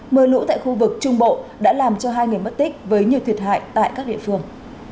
mưa lũ tại khu vực trung bộ đã làm cho hai người mất tích với nhiều thiệt hại tại các địa phương